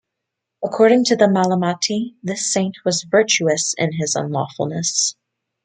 According to the Malamati, this saint was virtuous in his unlawfulness.